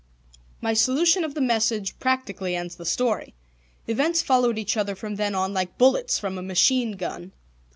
My solution of the message practically ends the story. Events followed each other from then on like bullets from a machine gun.